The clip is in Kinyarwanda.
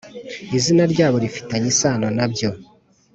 izina ryabo rifitanye isano nabyo